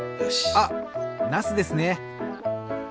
あっなすですね。